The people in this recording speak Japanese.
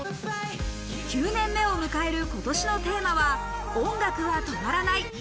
９年目を迎える今年のテーマは、「音楽は止まらない」。